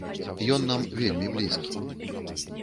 Ён нам вельмі блізкі.